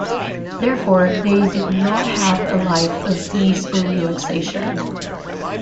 Therefore they did not have a life of ease or relaxation.